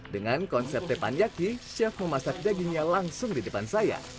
dengan konsep tepanjaki chef memasak dagingnya langsung di depan saya